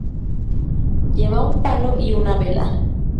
Lleva un palo y una vela.